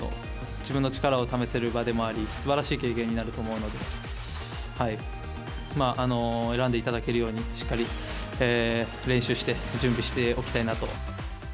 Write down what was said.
自分の力を試せる場でもあり、すばらしい経験になると思うので、選んでいただけるようにしっかり練習して、準備していきたいなと。